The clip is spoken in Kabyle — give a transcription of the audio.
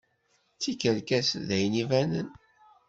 D tikerkas d ayen ibanen.